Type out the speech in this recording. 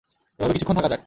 এভাবে কিছুক্ষণ থাকা যাক।